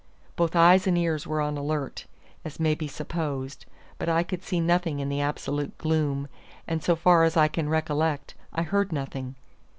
Both eyes and ears were on the alert, as may be supposed; but I could see nothing in the absolute gloom, and, so far as I can recollect, I heard nothing.